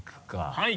はい。